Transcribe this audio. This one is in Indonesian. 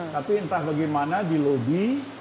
tapi entah bagaimana di lobi